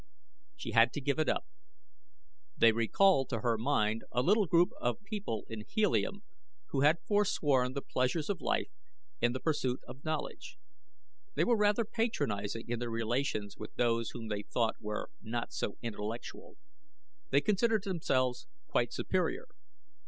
She had to give it up. They recalled to her mind a little group of people in Helium who had forsworn the pleasures of life in the pursuit of knowledge. They were rather patronizing in their relations with those whom they thought not so intellectual. They considered themselves quite superior.